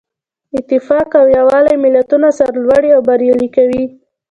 اتفاق او یووالی ملتونه سرلوړي او بریالي کوي.